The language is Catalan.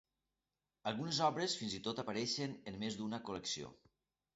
Algunes obres fins i tot apareixen en més d'una col·lecció.